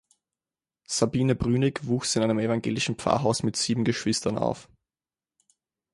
Sabine Brünig wuchs in einem evangelischen Pfarrhaus mit sieben Geschwistern auf.